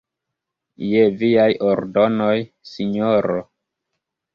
Je viaj ordonoj, sinjoro.